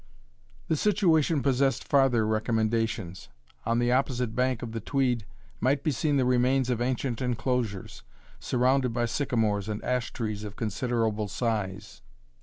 The situation possessed farther recommendations. On the opposite bank of the Tweed might be seen the remains of ancient enclosures, surrounded by sycamores and ash trees of considerable size.